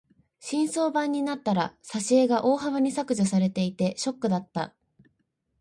新装版になったら挿絵が大幅に削除されていてショックだった。